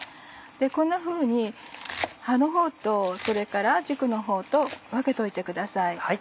こんなふうに葉のほうとそれから軸のほうと分けといてください。